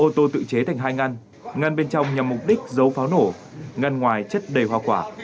ô tô tự chế thành hai ngăn ngăn bên trong nhằm mục đích giấu pháo nổ ngăn ngoài chất đầy hoa quả